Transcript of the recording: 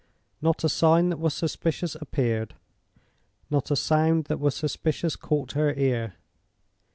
Not a sign that was suspicious appeared, not a sound that was suspicious caught her ear.